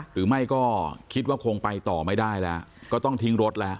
หรือไม่ก็คิดว่าคงไปต่อไม่ได้แล้วก็ต้องทิ้งรถแล้ว